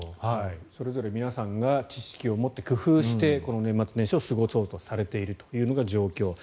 それぞれ皆さんが知識を持って、工夫をしてこの年末年始を過ごそうとされているというのが状況。